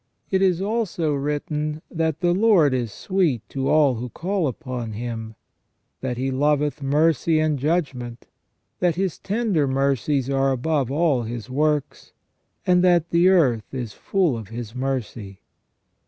It is also written, that "the Lord is sweet to all who call upon Him "; that " He loveth mercy and judgment "; that " His tender mercies are above all His works "; and that " the earth is full of His mercy".